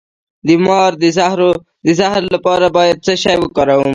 د مار د زهر لپاره باید څه شی وکاروم؟